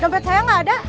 tempat saya gak ada